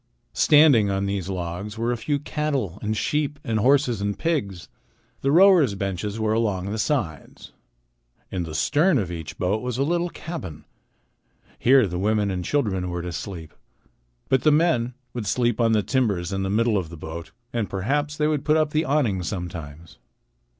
Standing on these logs were a few cattle and sheep and horses and pigs. The rowers' benches were along the sides. In the stern of each boat was a little cabin. Here the women and children were to sleep. But the men would sleep on the timbers in the middle of the boat and perhaps they would put up the awning sometimes.